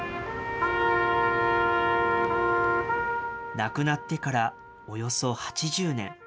亡くなってからおよそ８０年。